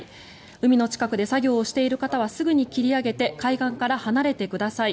海の近くで作業をしている方はすぐに切り上げて海岸から離れてください。